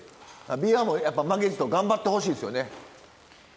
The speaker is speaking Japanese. びわもやっぱ負けじと頑張ってほしいですよね。